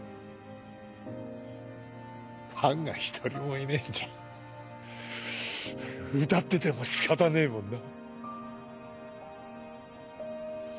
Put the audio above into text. ファンが一人もいねえんじゃ歌ってても仕方ねえもんな。